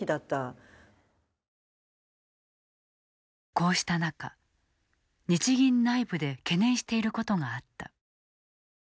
こうした中、日銀内部で懸念していることがあった。